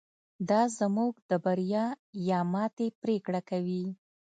دا زموږ د بریا یا ماتې پرېکړه کوي.